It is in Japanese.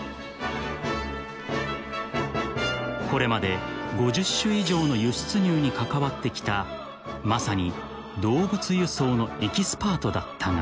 ［これまで５０種以上の輸出入に関わってきたまさに動物輸送のエキスパートだったが］